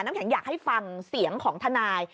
น้ำแข็งอยากให้ฟังเสียงของทนาย